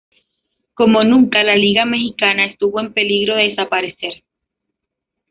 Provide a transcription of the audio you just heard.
Como nunca La Liga Mexicana estuvo en peligro de desaparecer.